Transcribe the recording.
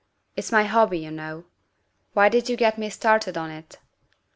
It's my hobby, you know. Why did you get me started on it?"